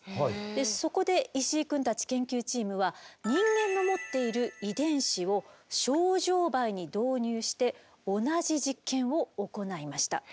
そこで石井くんたち研究チームは人間の持っている遺伝子をショウジョウバエに導入して同じ実験を行いました。